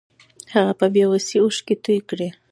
هغه په بې وسۍ اوښکې توې کړې.